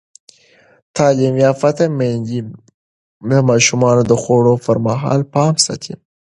تعلیم یافته میندې د ماشومانو د خوړو پر مهال پام ساتي.